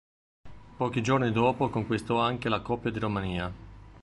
Pochi giorni dopo conquistò anche la Coppa di Romania.